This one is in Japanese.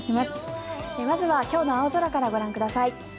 まずは今日の青空からご覧ください。